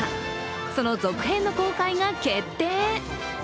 その続編の公開が決定。